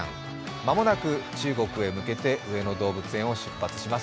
間もなく中国へ向けて上野動物園を出発します。